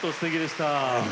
すてきでした。